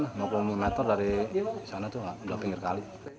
ya sekitar lima puluh an lima puluh meter dari sana tuh di pinggir kali